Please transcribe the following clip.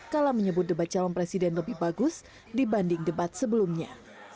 kala menyebut debat calon presiden lebih bagus dibanding debat sebelumnya